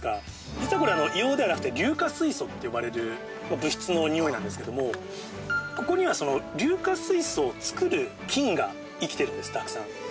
実はこれ硫黄ではなくて硫化水素って呼ばれる物質のにおいなんですけどもここにはその硫化水素を作る菌が生きてるんですたくさん。